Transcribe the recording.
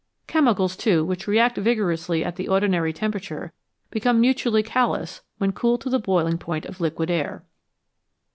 Chemicals, too, which react vigorously at the ordi nary temperature, become mutually callous when cooled to the boiling point of liquid air.